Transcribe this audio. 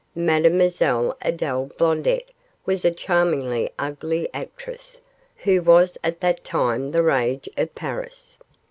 Mademoiselle Adele Blondet was a charmingly ugly actress, who was at that time the rage of Paris.